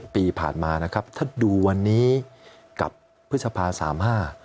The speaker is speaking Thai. ปีผ่านมานะครับถ้าดูวันนี้กับพฤษภาสามห้า